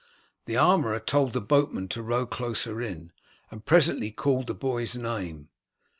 The armourer told the boatman to row closer in, and presently called the boy's name.